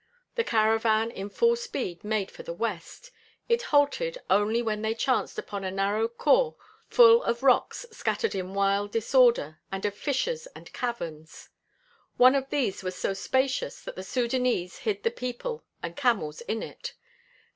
The caravan in full speed made for the west. It halted only when they chanced upon a narrow khor full of rocks scattered in wild disorder, and of fissures and caverns. One of these was so spacious that the Sudânese hid the people and camels in it.